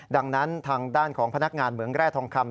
ดังนั้นทางด้านของพนักงานเหมืองแร่ทองคำ